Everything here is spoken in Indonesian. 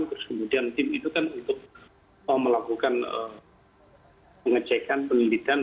terus kemudian tim itu kan untuk melakukan pengecekan penelitian